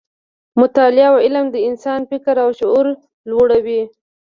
مطالعه او علم د انسان فکر او شعور لوړوي.